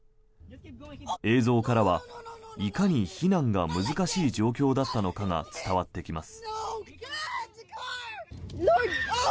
映像からは、いかに避難が難しい状況だったのかが伝わってきます。